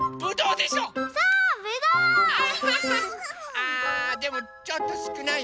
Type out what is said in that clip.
あでもちょっとすくないよね。